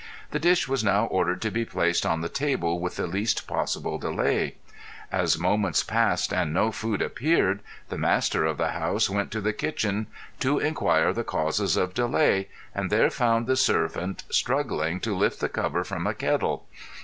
The dish was now ordered to be placed on the table with the least possible delay. As moments passed and no food appeared the master of the house went to the kitchen to inquire the causes of delay and there found the servant struggling to lift the cover from a kettle.